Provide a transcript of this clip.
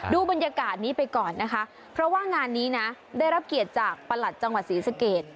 ดูบรรยากาศนี้ไปก่อนนะคะเพราะว่างานนี้นะได้รับเกียรติจากประหลัดจังหวัดศรีสเกต